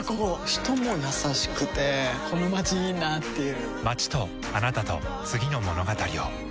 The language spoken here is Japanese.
人も優しくてこのまちいいなぁっていう